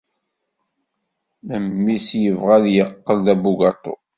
Memmi-s yebɣa ad yeqqel d abugaṭu.